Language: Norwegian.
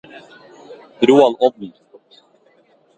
Roald Odden